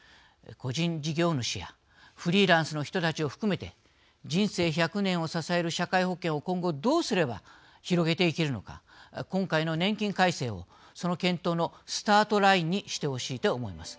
個人事業主やフリーランスの人たちを含めて人生１００年を支える社会保険を今後どうすれば広げていけるのか今回の年金改正をその検討のスタートラインにしてほしいと思います。